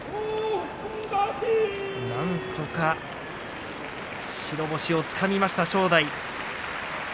なんとか白星をつかみました正代です。